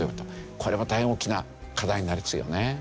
これも大変大きな課題になりますよね。